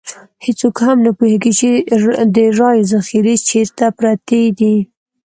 هېڅوک هم نه پوهېږي چې د رایو ذخیرې چېرته پرتې دي.